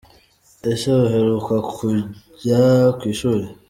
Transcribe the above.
Ese uheruka kujya ku ishuli.